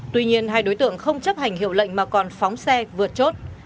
tuy nhiên hai đối tượng không chấp hành hiệu lệnh mà còn phóng xe vượt chốt